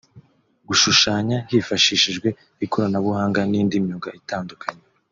gushushanya hifashishijwe ikoranabuhanga n’indi myuga itandukanye